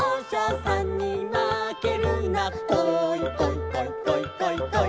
「こいこいこいこいこいこい」